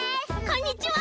こんにちは！